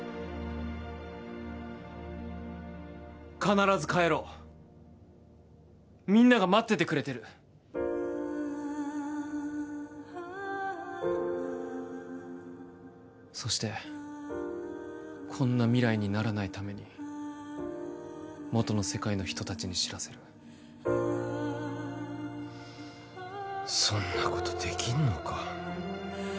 必ず帰ろうみんなが待っててくれてるそしてこんな未来にならないためにもとの世界の人たちに知らせるそんなことできんのか？